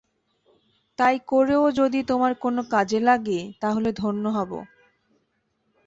তাই করেও যদি তোমার কোনো কাজে লাগি তা হলে ধন্য হব।